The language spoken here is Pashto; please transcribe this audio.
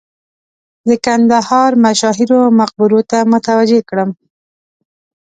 د کندهار مشاهیرو مقبرو ته متوجه کړم.